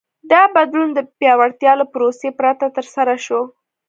دا بدلون د پیاوړتیا له پروسې پرته ترسره شو.